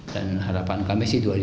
dan harapan kami dua ribu dua puluh empat